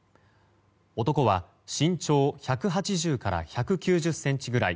男は身長１８０から１９０ｃｍくらい。